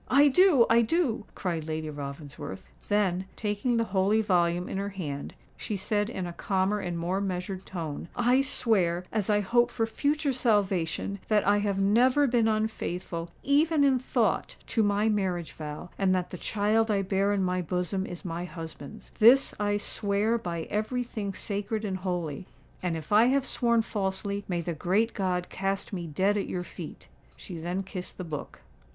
"I do—I do!" cried Lady Ravensworth: then, taking the holy volume in her hand, she said in a calmer and more measured tone, "I swear, as I hope for future salvation, that I have never been unfaithful, even in thought, to my marriage vow, and that the child I bear in my bosom is my husband's. This I swear by every thing sacred and holy; and if I have sworn falsely, may the great God cast me dead at your feet." She then kissed the book.